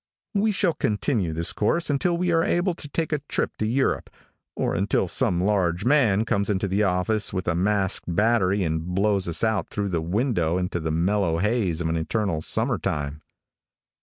We shall continue this course until we are able to take a trip to Europe, or until some large man comes into the office with a masked battery and blows us out through the window into the mellow haze of an eternal summer time.